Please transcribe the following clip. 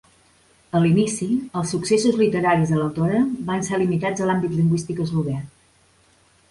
A l'inici, els successos literaris de l'autora van ser limitats a l'àmbit lingüístic eslovè.